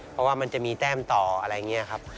เพราะว่ามันจะมีแต้มต่ออะไรอย่างนี้ครับ